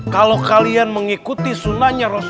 kalau kalian mengikutnya kalian akan menangis